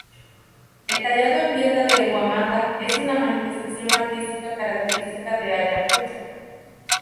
El tallado en piedra de Huamanga es una manifestación artística característica de Ayacucho.